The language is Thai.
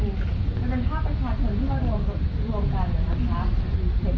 เราไม่มีเวลาที่จะไปนั่งเจาะหาหรือไปถามถ่ายว่าเป็นของใคร